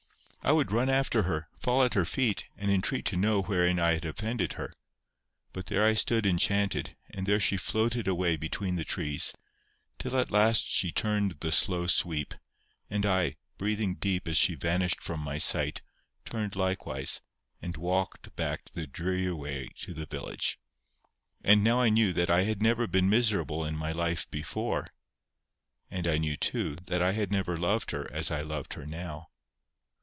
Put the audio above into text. I would run after her, fall at her feet, and intreat to know wherein I had offended her. But there I stood enchanted, and there she floated away between the trees; till at length she turned the slow sweep, and I, breathing deep as she vanished from my sight, turned likewise, and walked back the dreary way to the village. And now I knew that I had never been miserable in my life before. And I knew, too, that I had never loved her as I loved her now.